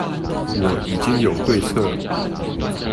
我已經有對策